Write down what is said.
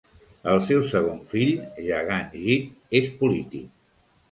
El seu segon fill, Gaganjit, és polític.